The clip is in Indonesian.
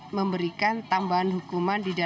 atau memberikan tambahan hukuman di kantor